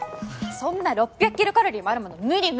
そんな６００キロカロリーもあるもの無理無理！